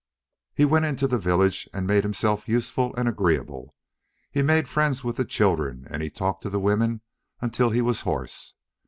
He went into the village and made himself useful and agreeable. He made friends with the children and he talked to the women until he was hoarse.